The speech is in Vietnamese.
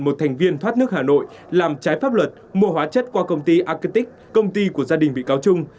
một thành viên thoát nước hà nội làm trái pháp luật mua hóa chất qua công ty argentic công ty của gia đình bị cáo trung